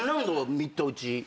ミット打ち。